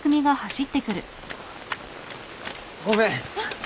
ごめん！